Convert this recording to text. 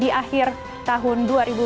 di akhir tahun dua ribu dua puluh